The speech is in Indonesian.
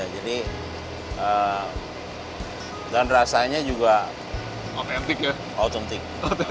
jadi rasanya juga autentik